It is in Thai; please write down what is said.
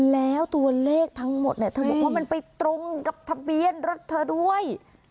แล้วตัวเลขทั้งหมดเนี่ยเธอบอกว่ามันไปตรงกับทะเบียนรถเธอด้วย